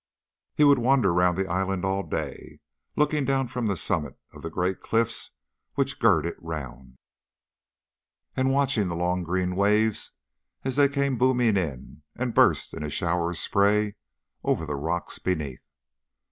He would wander round the island all day, looking down from the summit of the great cliffs which gird it round, and watching the long green waves as they came booming in and burst in a shower of spray over the rocks beneath.